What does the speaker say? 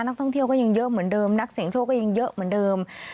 นักท่องเที่ยวก็ยังเยอะเหมือนเดิมนักเสียงโชคก็ยังเยอะเหมือนเดิม